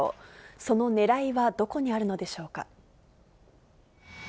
そのねらいはどこにあるのでしょうか。